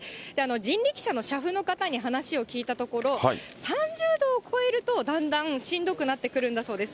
人力車の車夫の方に話を聞いたところ、３０度を超えるとだんだんしんどくなってくるんだそうです。